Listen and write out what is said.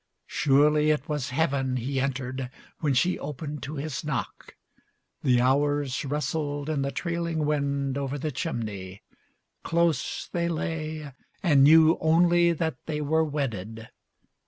Surely it was Heaven He entered when she opened to his knock. The hours rustled in the trailing wind Over the chimney. Close they lay and knew Only that they were wedded.